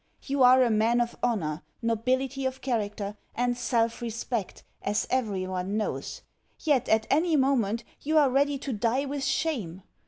You are a man of honour, nobility of character, and self respect, as everyone knows; yet, at any moment, you are ready to die with shame!